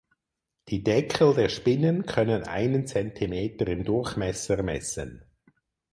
Die Deckel der Spinnen können einen Zentimeter im Durchmesser messen.